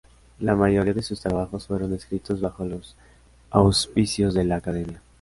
La mayoría de sus trabajos fueron escritos bajo los auspicios de la Academia.